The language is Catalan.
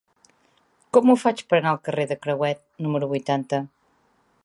Com ho faig per anar al carrer de Crehuet número vuitanta?